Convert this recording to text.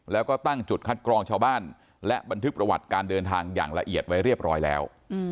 แล้วก็ตั้งจุดคัดกรองชาวบ้านและบันทึกประวัติการเดินทางอย่างละเอียดไว้เรียบร้อยแล้ว